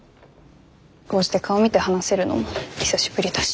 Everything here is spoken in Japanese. こうして顔見て話せるのも久しぶりだし。